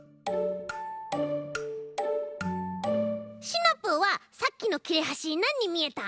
シナプーはさっきのきれはしなんにみえた？